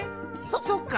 そっか！